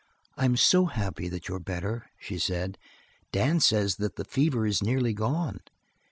"I'm so happy that you're better," she said. "Dan says that the fever is nearly gone."